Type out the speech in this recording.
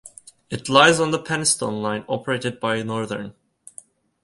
It lies on the Penistone Line operated by Northern.